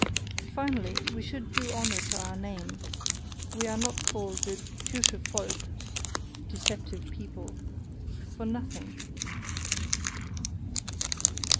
Finally, we should do honour to our name we are not called the "TIUSCHE VOLK" (deceptive people) for nothing....